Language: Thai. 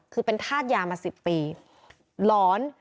คือเป็นธาตุยามา๑๐ปีหลอน